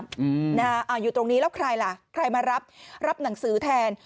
อืมนะฮะอ่าอยู่ตรงนี้แล้วใครล่ะใครมารับรับหนังสือแทน